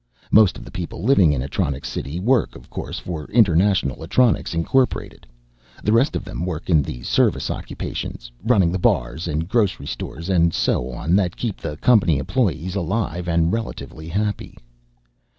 Most of the people living in Atronics City work, of course, for International Atronics, Incorporated. The rest of them work in the service occupations running the bars and grocery stores and so on that keep the company employees alive and relatively happy.